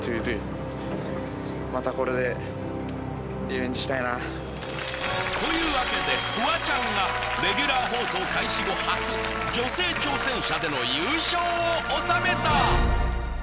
やっぱりＴｏｄａｒｅｉｓｔｏｄｏというわけでフワちゃんがレギュラー放送開始後初女性挑戦者での優勝を収めた！